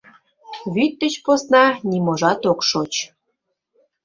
Вӱд деч посна ниможат ок шоч.